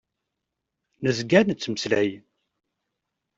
Nezga nettmeslay.